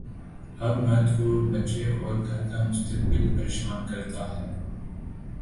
اب مرد کو بچے اور گھر کا مستقبل پریشان کرتا ہے۔